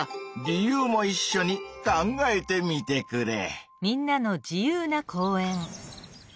理由もいっしょに考えてみてくれ。